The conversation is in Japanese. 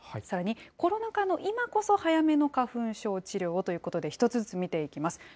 さらに、コロナ禍の今こそ、早めの花粉症治療をということで、１つずつ見ていきます。